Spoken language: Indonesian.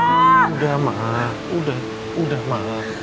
sudah ma sudah ma